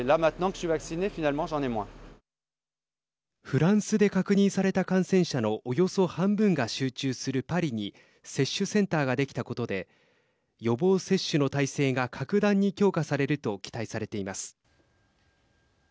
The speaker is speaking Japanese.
フランスで確認された感染者のおよそ半分が集中するパリに接種センターができたことで予防接種の態勢が格段に強化されると期待されています。